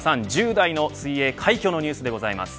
１０代の水泳快挙のニュースです。